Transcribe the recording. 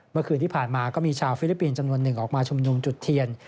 เมื่อคืนที่ผ่านมาก็มีชาวฟิลิปปินส์จำนวนหนึ่งออกมาชุมนุมจุดเทียน